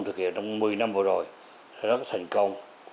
thực hiện trong một mươi năm vừa rồi rất là thành công